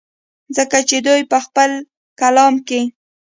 ځکه چې دوي پۀ خپل کلام کښې